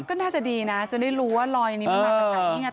เพราะฉะนั้นถ้าจะดีนะจะได้รู้ว่าลอยนี้มันมาจากไหน